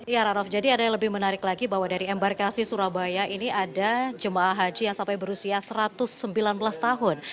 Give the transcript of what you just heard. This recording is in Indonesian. ya rano jadi ada yang lebih menarik lagi bahwa dari embarkasi surabaya ini ada jemaah haji yang sampai berusia satu ratus sembilan belas tahun